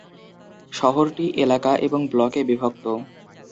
শহরটি এলাকা এবং ব্লকে বিভক্ত।